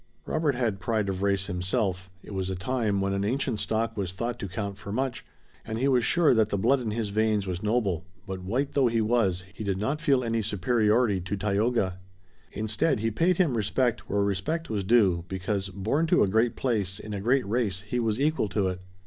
Robert had pride of race himself it was a time when an ancient stock was thought to count for much and he was sure that the blood in his veins was noble, but, white though he was, he did not feel any superiority to Tayoga. Instead he paid him respect where respect was due because, born to a great place in a great race, he was equal to it.